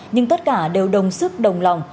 nhưng tất cả đều đồng sức đồng lòng